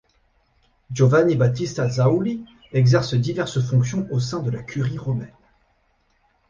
Giovanni Battista Zauli exerce diverses fonctions au sein de la Curie romaine.